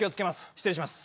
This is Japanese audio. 失礼します。